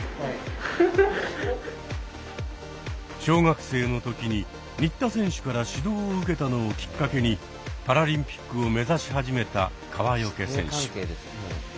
小学生の時に新田選手から指導を受けたのをきっかけにパラリンピックを目指し始めた川除選手。